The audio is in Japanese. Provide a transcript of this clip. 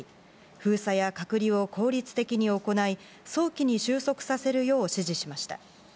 封鎖や隔離を効率的に行い、早期に終息させるよう指示しました。